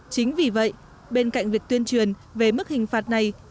chính vì vậy bên cạnh việc tuyên truyền về mức hình phạt này